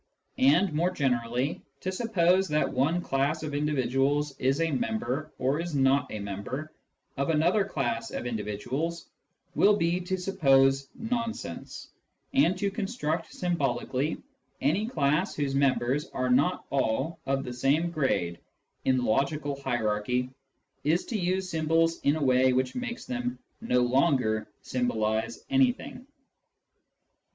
And more generally, to suppose that one class of individuals is a member, or is not a member, of another class of individuals will be to suppose nonsense ; and to construct symbolically any class whose members are not all of the same grade in the logical hierarchy is to use symbols in a way which makes them no longer symbolise anything.